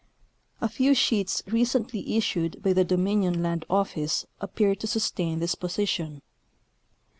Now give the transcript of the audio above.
A few sheets recently issued by the Dominion land office ap pear to sustain this position.